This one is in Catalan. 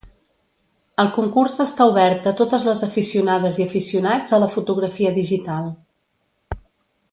El concurs està obert a totes els aficionades i aficionats a la fotografia digital.